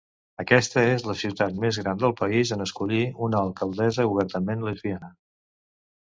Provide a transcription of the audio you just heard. Aquesta és la ciutat més gran del país en escollir una alcaldessa obertament lesbiana.